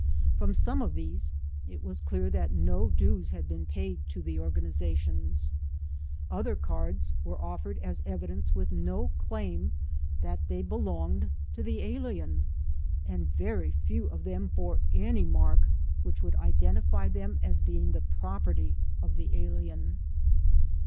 From some of these it was clear that no dues had been paid to the organizations. Other cards were offered as evidence with no claim that they belonged to the alien, and very few of them bore any mark which would identify them as being the property of the alien.